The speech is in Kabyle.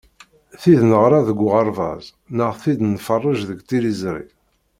Tid neɣra deg uɣerbaz, neɣ tid i nferreǧ deg tiliẓri.